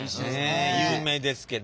有名ですけど。